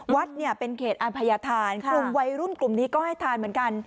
วัดเนี่ยเป็นเขตอภัยธานกลุ่มวัยรุ่นกลุ่มนี้ก็ให้ทานเหมือนกัน